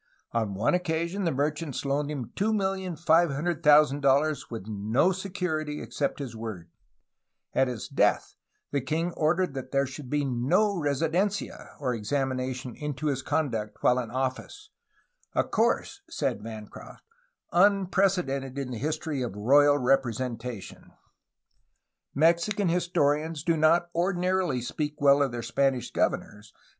On one occasion the merchants loaned him $2,500,000 with no security except his word; at his death the king ordered that there should be no residencia, or examination into his conduct while in office, ''a course," says Bancroft, ^'unprecedented in the history of royal representation '' Mexican historians do not ordinarily speak well of their Spanish governors.